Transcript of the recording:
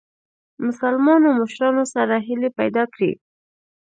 مسلمانو مشرانو سره هیلي پیدا کړې.